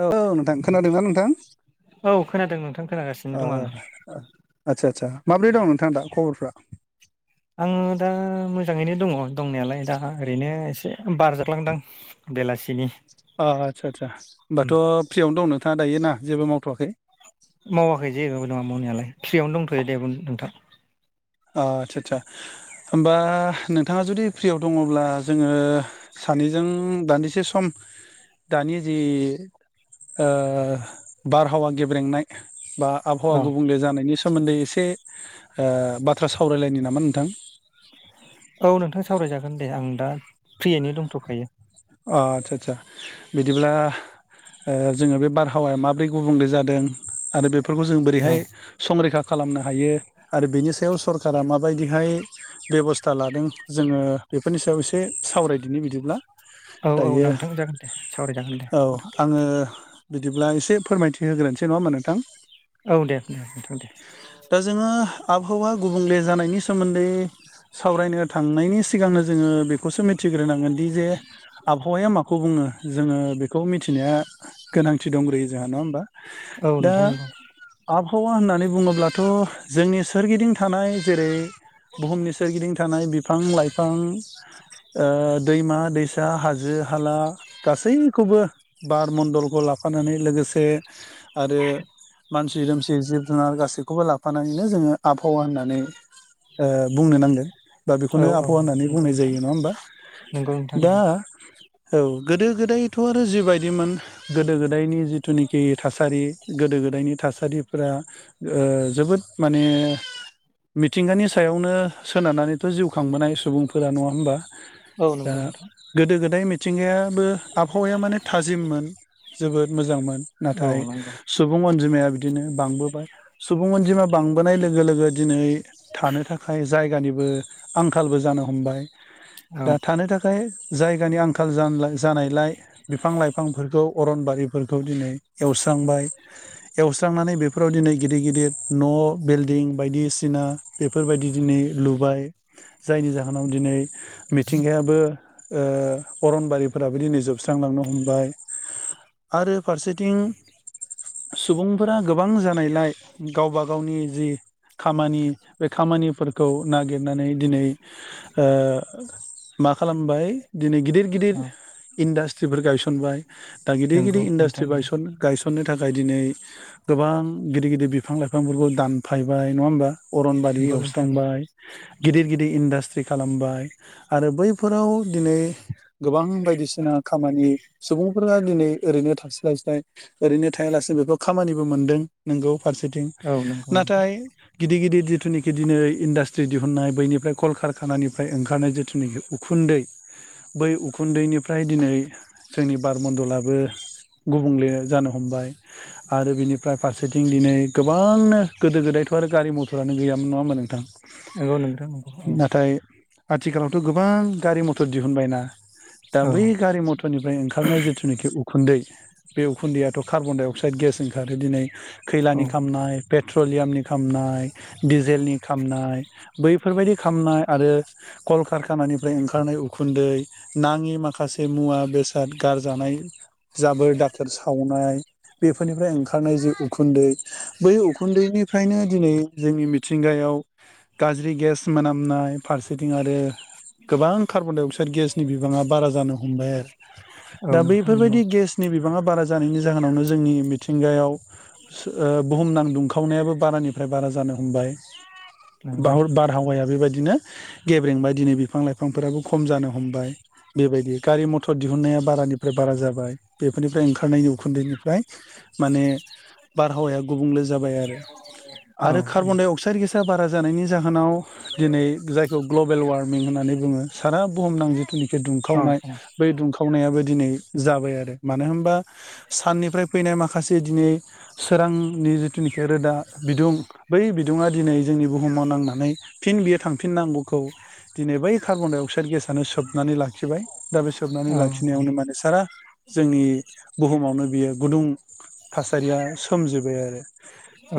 औ औ नोंथां खोनादोंना नोंथां? औ खोनादों नोंथां खोनागासिनो दं आङो [unintelligible] आदसा माब्रै दं नोंथां दा खबरफ्रा आंयो दा मोजां मोजाङैनो दङ दंनायालाय दा ओरैनो एसे बार जाग्लांदों बेलासिनि अ आदसा आदसा होमबाथ' फ्रियावनो दं नोंथाङा दायो ना जेबो मावथ'वाखै मावाखै जेबो नङा मावनायालाय प्रियावनो दंथ'यो दे नोंथां। ओ आच्सा आच्सा होमबा नोंथाङा जुदि फ्रियाव दङ'ब्ला जोङो। सानैजों दान्दिसे सम दानि जि। ओ बारहावा गेब्रेंनाय। बा आबहावा औ गुबुंले जानायनि सोमोन्दै एसे ओ बाथ्रा बाथ्रा सावरायलायनो नामा नोंथां? औ नोंथां सावरायजागोन दे आं दा फ्रियैनो दंथ'खायो। अ आतसा आतसा बिदिब्ला ओ जोङो बे बारहावाया माबोरै गुबुंले जादों आरो बेफोरखौ जों औ बोरैहाय संरैखा खालामनो हायो आरो बेनि सायाव सरकारा माबायदिहाय बेब'स्था लादों जोङो बेफोरनि सायाव एसे सावरायदिनो बिदिब्ला औ औ दायो नोंथां जागोन दे सावरायजागोन दे औ आङो बिदिब्ला एसे फोरमायथि होग्रोनोसै नङाहोनबा नोंथां औ दे दे नोंथां दे। दा जोङो आबहावा गुबुंले जानायनि सोमोन्दै सावरायनो थांनायनि सिगांनो जोङो बे खौसो मिथिग्रोनांगोन दि जे आबहावाया मा? खौ बुङो जोङो बेखौ मिथिनाया गोनांथि दंग्रोयो जोंहा नङा होमबा औ दा नोंथां नंगौ आबहावा होननानै बुङोब्लाथ' जोंनि सोरगिदिं थानाय जेरै बुहुमनि सोरगिदिं थानाय बिफां लाइफां। दैमा दैसा हाजो हाला गासै। खौबो बार मन्डलखौ लाफानानै लोगोसे आरो मानसि दोमसि जिब जुनार गासैखौबो लाफानानैनो जोङो आबहावा होननानै बुंनो नांगोन बा औ बेखौनो औ आबहावा होननानै नंगौ बुंनाय नोंथां जायो नङा होमबा नंगौ नोंथां दा नंगौ औ गोदो गोदायथ' आरो जिबायदिमोन गोदो गोदाय दायनि जिथुनाखि थासारि गोदो गोदायनि थासारिफोरा ओ जोबोद माने मिथिंगानि सायावनो सोनारनानैथ'जिउ खांबोनाय सुबुंफोरा नङा होमबा औ दा नंगौ नोंथां गोदो गोदाय मिथिंगायाबो आबहावाया माने थाजिममोन जोबोद मोजांमोन औ नाथाय नंगौ सुबुं अनजिमाया बिदिनो बांबोबाय सुबुं अनजिमा बांबोनाय लोगो लोगो दिनै थानो थाखाय जायगानि। आंखालबो जानो हमबाय औ दा थानो थाखाय जायगानि आंखाल जानायलाय बिफां-लाइफांफोरखौ अरनबारिफोरखौ दिनै एवस्रांबाय एवस्रांनानै बे बेफोराव दिनै गिदिर गिदिर न' बिल्डिं बायदिसिना बेफोरबायदि दिनै लुबाय जायनि जाहोनाव दिनै मिथिंगायाबो ओ अरनबारिफोराबो दिनै जोबस्रांलांनो हमबाय आरो फारसेथिं सुबुंफोरा गोबां जानायलाय गावबा गावनि जि खामानि बे खामानिफोरखौ नागिरनानै दिनै बाय दिनै गिदिर गिदिर औ इन्डास्ट्रिफोर गायसनबाय दा गिदिर नंगौ गिदिर नोंथां नंगौ इन्डासट्रिायसन गायसन नो थाखाय दिनै गोबां गिदिर गिदिर बिफां-लाइफांफोरखौ दानफायबाय नङा होमबा? अरनबारि नंगौ नोंथां नंगौ एवस्रांबाय गिदिर गिदिर इन्डास्ट्रि खालामबाय आरो बै बे फोराव दिनै गोबां बायदिसिना खामानि सुबुं फोरा दिनै ओरैनो थास्लायस्लाय ओरैनो थायालासेनो बेफोर खामानिबो मोनदों नोंगौ। फारसेथिं औ नंगौ नोंथां नाथाय गिदिर गिदिर जिथुनाखि दिनै इन्डास्ट्रि दिहुननाय बैनिफ्राय कलकारखानानिफ्राय ओंखारनाय जिथुनाखि उखुन्दै बै उखुन्दैनिफ्राय दिनै जोंनि बारमन्दलाबो गुबुंले जानो हमबाय आरो बिनिफ्राय फारसेथिं दिनै गोबांनो गोदो गोदाय थ' आरो गारि मथरानो गैयामोन नङा होनबा नोंथां। नंगौ नोंथां नंगौ औ। नाथाय आथिखालावथ' गोबां गारि मथर दिहुनबायना दा औ बै गारि म'थरनिफ्राय ओंखारनाय जिथुनाखि उखु उखुन्दै बे उखुन्दैयाथ' कार्बन-डाइ अक्साइद गेस ओंखारो दिनै औ खैलानि खामनाय पेट्रलियामनि खामनाय डिजेलनि खामनाय बैफोरबायदि खामनाय आरो कलकारखानानि ओमफ्राय ओंखारनाय उखुन्दै नाङि माखासे मुवा बेसाद गारजानाय जाबोर दाखोर सावनाय बेफोरनिफ्राय ओंखारनाय जे उखुन्दै बै उखुन्दैनिफ्रायनो दिनै जोंनि मिथिंगाया आव गाज्रि गेस मोनामनाय फारसेथिं आरो गोबां कार्बन डाइ अक्स गेसनि बिबाङा बारा जानो हमबाय आरो औ दा नोंथां नंगौ बैफोरबायदि गेसनि बिबाङा बारा जानायनि जाहोनावनो जोंनि मिथिंगायाव ओ बुहुमनां दुंखावनायाबो बारानिफ्राय बारा जानो हमबाय नंगौ बाव बारहावाया बेबायदि बिदिनो गेब्रेंबाय दिनै बिफां लाइफांफोराबो खम जानो हमबाय बेबायदि गारि मथर दिहुनन्नाया बारानिफ्राय बारा जाबाय बेफोरनिफ्राय ओंखारनायनि उखुन्दैनिफ्राय माने बारहावाया गुबुंले जाबाय आरो औ आरो कार्बनडाइ अक्साइड गेसा बारा जानायनि जाहोनाव दिनै जायखौ ग्लबेल वार्मिं होननानै बुङो सारा बुहुमनां जिथुनाखि औ दुंखावनाय बै दुंखावनायाबो दिनै जाबाय आरो मानो होनबा साननिफ्राय फैनाय माखासे दिनै सोरांनि जिथु ओ जेनिखि रोदा बिदुं बै बिदुङा दिनै जोंनि बुहुमाव नांनानै फिन बि थांफिननांगौखौ दि कार्बन-डाइ अक्साइड गेसआनो सोबनानै लाखिबाय दा बे सोबनानै औ लाखिनायावनो माने सारा जोंनि बुहुमावनो बियो गुदुं थासारिया सोमजोबबाय आरो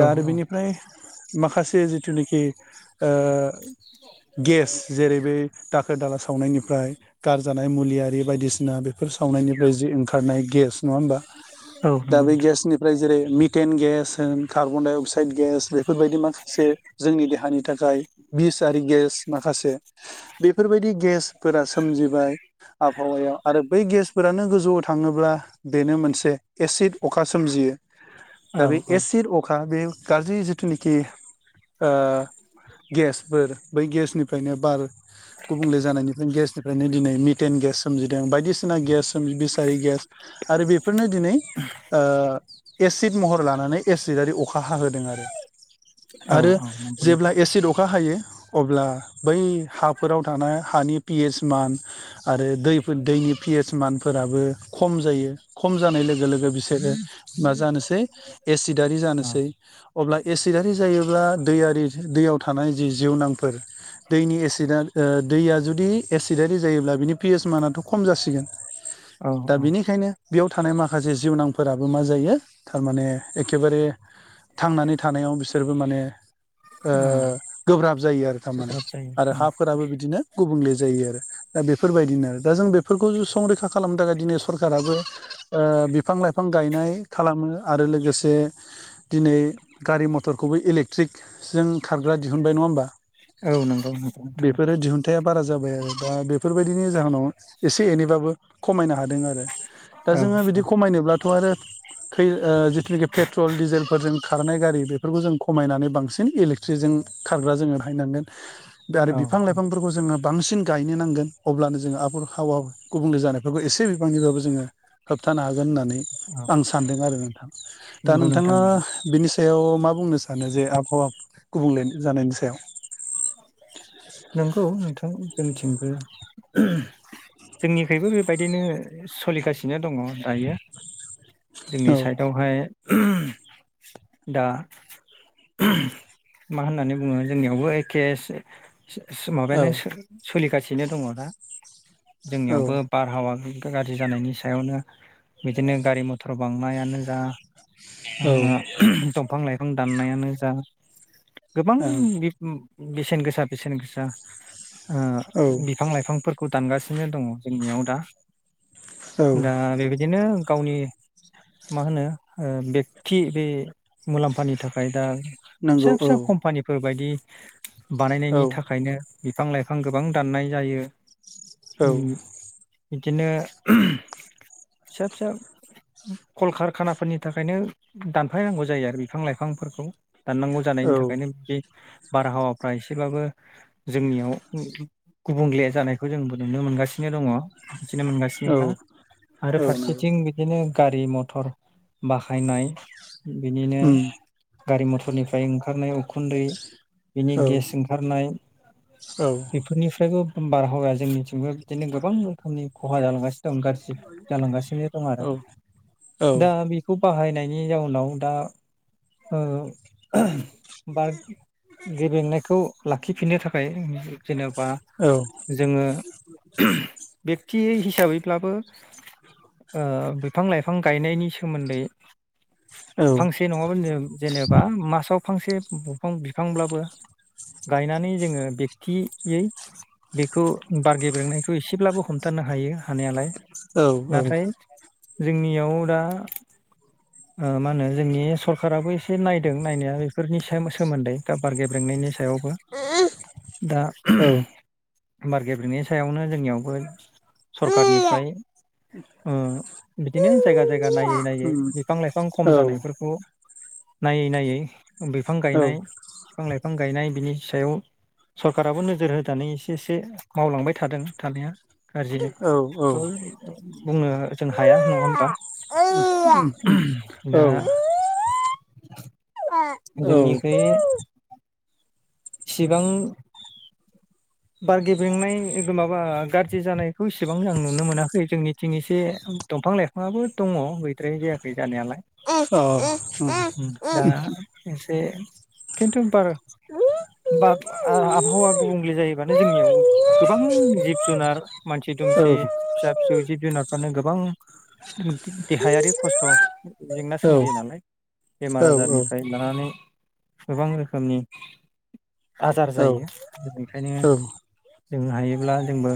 औ आरो औ बेनिफ्राय माखासे जिथुनिखि ओ गेस जेरै बे दाखोर दाला सावनायनिफ्राय गारजानाय मुलि आरि बायदिसिना बेफोर सावनायनिफ्राय जि ओंखारनाय गेस नङा होमबा औ दा नंगौ बेै नोंथां गेसनिफ्राय जेरै मिटेन गेस होन कार्बन डाइ अक्साइद गेस बेफोरबायदि माखासे जोंनि देहानि थाखाय बिस आरि गेस माखासे बेफोरबायदि गेसफोरा सोमजिबाय आबहावायाव आरो बै गेसफोरानो गोजौआव थाङोब्ला बेनो मोनसे एसिड अखा सोमजियो। दा औ बे एसिड अखा बे गाज्रि जिथुनिखि ओ गेसफोर बै गेसनिफ्रायनो बार गुबुंले जानायनिफ्राय गेसनि फ्रायनो दिनै मिटेन गेस सोमजिदों बायदिसिना गेस बिसारि गेस आरो बेफोरनो दिनै ओ एसिड महर लानानै एसिड आरि अखा हाहोदों आरो औ आरो औ नंगौ जेब्ला नोंथां एसिड अखा हायो। अब्ला बै हाफोराव थानाय हानि पि एस मान आरो दैफोर दैनि पि एस मानफोराबो खम जायो खम जानाय लोगो लोगो लोगो बिसोरो मा जानोसै एसिडारि औ जानोसै अब्ला एसिडारि जायोब्ला दैयारि दैयाव थानाय जि जिउनांफोर दैनि एसिडा दैया जुदि एसिडारि जायोब्ला बिनि पि एस मानाथ' खम जासिगोन। औ दा औ बेनिखायनो बेयाव थानाय माखासे जिउनांफोराबो मा जायो थारमाने एखेबारे थांनानै थानायाव बिसोरबो माने ओ औ गोब्राब जायो आरो थारमाने गोब्राब जायो आरो हा फोराबो बिदिनो गुबुंले जायो आरो दा बेफोरबायदिनो आरो दा जों बेफोरखौ संरैखा खालामनो थाखायै सरकार राबो ओ बिफां लाइफां गायनाय खालामो आरो लोगोसे दिनै गारि मथरखौबो इलेकट्रिक जों खारग्रा दिहुनबाय नङा होमबा औ नंगौ नोंथां बेफोरो दिहुनथाया बारा जाबाय आरो दा बेफोरबायदिनि जाहोनाव एसे एनैबाबो खमायनो हा दोङो आरो दा औ जोङो बिदि औ खमायनोब्लाथ' आरो कै ओ जिथुखि पेट्रल डिजेलफोरजों खारनाय गारि बेफोरखौ जों खमायनानै बांसिन इले थ्रिजों खारग्रा जोङो बाहायनांगोन आरो औ बिफां लाइफांफोरखौ जोङो बांसिन गायनो नांगोन अब्लानो जोङो आबहावा गुबुंले जानायफोरखौ एसे बिबांनिबाबो जोङो होबथानो हागोन होननानै औ आं सानदों आरो नोंथां दा नंगौ नोंथां नोंथाङा नंगौ बिनि सायाव मा बुंनो सानो जे आबहावा गुबुंले जानायनि सायाव नंगौ नोंथां जोंनिथिंबो जोंनिखैबो बेबायदिनो सोलिगासिनो दङ दायो। जोंनि औ साइडआवहाय दा ओम मा होननानै बुङो जोंनियावबो एखे सो-सो सो औ माबायानो सो सलिगासिनो दङ दा जोंनियावबो बारहावा गै गाज्रि जानायनि सायावनो बिदिनो गारि मथर बांनायानो जा उम औ ओहम दंफां लाइफां दाननायानो जा गोबां बि बेसेन गोसा बेसेन गोसा ओ ओं बिफां लाइफांफोरखौ दानगासिनो दङ जोंनियाव दा औ दा बेबायदिनो गावनि मा होनो ओ बेकथि बे मुलाम्फानि थाखाय दा नंगौ फिसा औ फिसा कम्पानिफोर बायदि बानायनायनि औ थाखायनो बिफां लाइफां गोबां दाननाय जायो औ बिदिनो ओहम फिसा फिसा कलकारखानाफोरनि थाखायनो दानफायनांगौ जायो आरो बिफां लाइफांफोरखौ दाननांगौ जानायनि औ थाखायनो बे बारहावाफ्रा एसेबाबो जोंनियाव गुबुंले जानायखौ जोंबो नुनो मोनो। मोनगासिनो दङ बिदिनो औ मोनगासिनोखा आरो नंगौ फारसेथिं बिदिनो गारि मथर बाहायनाय बिनिनो उम गारि मथर निफ्राय ओंखारनाय उखुन्दै बिनि औ गेस ओंखारनाय औ बेफोरनि फ्रायबो बारहावाया जोंनि थिंबो बिदिनो गोबां रोखोमनि खहा जालांगासिनो गासिब जालां गासिनो दं आरो औ दा बेखौ बा बाहायनायनि जाउनाव दा ओ [unintelligible] बार गब्रें नायखौ लाखि फिननो थाखाय जेनब बा जोङो [unintelligible] बे हिसाबै ब्लाबो ओ बिफां लाइफां गायनायनि सोमोन्दै औ फांसे नङाबा जेनेबा मासाव फांसे बफां बिफांब्लाबो गायनानै जोङो बेखथि यै बेखौ बार गेब्रेंनायखौ एसेब्लाबो हमथानो हायो हानायालाय औ औ। नाथाय जोंनियाव दा ओ मा होनो जोंनि सरखाराबो एसे नायदों नायनाया बेफोरनि सोमोन्दै दा बार गेब्रेंनायनि सायावबो दा औ [unintelligible] बार गेब्रेंनायनि सायावनो जोंनि यावबो सरखार औ औ निफ्राय उ उम औ अ औ बिदिनो जायगा जायगा नायै नायै बिफां लाइफां खम जानाय फोरखौ नायै नायै बिफां गायनाय, बिफां-लाइफां गायनाय बिनि सायाव सरखाराबो नोजोर होनानै एसे एसे माव लांबाय थादों थानाया। गाज्रि थ' बुंनो जों हाया नङा होमबा [unintelligible] दा जोंनिखै सिगां बार गेब्रेंनाय माबा गाज्रि जानायखौ इसेबां आं नुनो मोनाखै जोंनिथिं एसे दंफां लाइफां आबो दङ। द्राष जायाखै जानायालाय उ दा एसे खिन्थु बार बाब आ आबहावा गुबुंले जायो जोंनि यावबो गोबां जिब-जुनार, मानसि-दुमसि, फिसा-फिसौ, जिब-जुनार फ्रानो गोबां देहायारि खस्थ' जेंना सोमजियो औ नालाय बेमार आजार औ निफ्राय लानानै गोबां रोखोमनि आजार जायो बेखायनो जों हायोब्ला जोंबो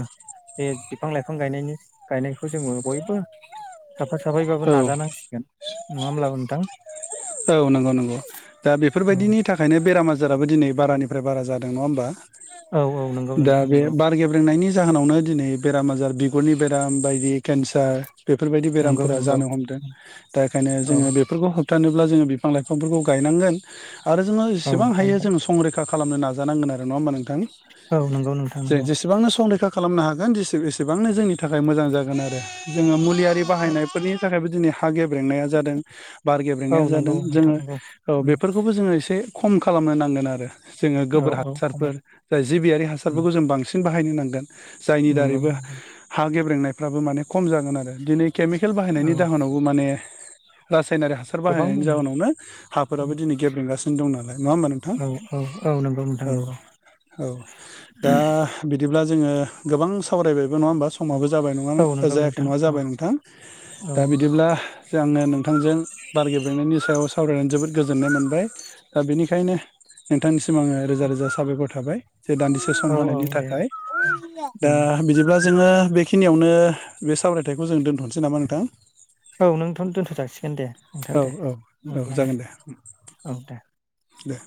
बे बिफां लाइफां गायनायनि गायनाखौ खौ जोङो बयबो साफा साफायै बाबो नाजा नांसिगोन नङा होमब्ला नोंथां? औ नंगौ नंगौ दा बेफोर औ बायदिनि थाखायनो बेराम आजाराबो दिनै बारानिफ्राय बारा जादों नङा होमबा? औ औ नंगौ दा नोंथां बे नंगौ बार गेब्रेंनायनि जाहोनावनो दिनै बेराम आजार बिगुरनि बेराम बायदि केन्सार बेफोर बायदि बेराम नंगौ फोरा नंगौ जानो हमदों दा एखायनो औ जोङो बेफोरखौ होप्थानो ब्ला जोङो बिफां लाइफां फोरखौ गायनांगोन आरो जोङो औ जेसेबां हायो जोङो संरैखा खालामनो नाजा नांगोन आरो। नङा होमबा नोंथां? औ नंगौ नोंथां जों नंगौ जेसेबांनो संरैखा खालामनो हाग न दिसि एसेबांनो जोंनि थाखाय मोजां जागोन आरो जोङो मुलियारि औ बाहायनाय फोरनि थाखायबो दिनै हा गेब्रेंनाया जादों बार औ गेब्रेंनाया नंगौ जादों नोंथां जोङो नंगौ औ उम बेफोर खौबो जोङो एसे खम खालामनो नांगोन आरो जोङो औ गोबोर औ हासार फोर खमायदों जाय जिबियारि हासार उम फोरखौ जों बांसिन बाहाय बाहायनो नांगोन जायनि नंगौ दारैबो नंगौ हा गेब्रेंनाय फ्राबो माने खम जागोन आरो दिनै केमिकेल औ बाहायनायनि जाहोनावबो माने रासायनारि हासार गोबां बाहायनायनि जाहोनावनो हा फोराबो दिनै गेब्रें गासिनो दं नालाय नङा होमबा नोंथां? औ औ औ नंगौ नोंथां औ नंगौ औ दा बिदिब्ला जोङो गोबां सावराय बायबो नङा होमबा समाबो जाबाय नङा औ नंगौ जायाखै नोंथां नङा औ जाबाय नोंथां औ दा नंगौ बिदिब्ला आङो नोंथांजों बार गेब्रेंनायनि सायाव सावरायनानै जोबोद गोजोननाय मोनबाय दा बेनिखायनो नोंथांनिसिम आङो रोजा रोजा साबायखर थाबाय। जे दान्दिसे सम औ औ होनायनि दे थाखाय दा उम बिदिब्ला जोङो बे बेखिनियावनो बे सावरायथायखौ जों दोन्थ'नोसै नामा नोंथां? औ नोंथ' दोन्थ' जाासिगोन दे नोंथां औ दे औ औ हब्लानो जागोन दे औ दे। दे।